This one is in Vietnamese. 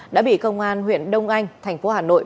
đã bị công an huyện đông anh thành phố hà nội